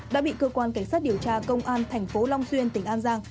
đã bị cơ quan cảnh sát điều tra công an thành phố long xuyên tỉnh an giang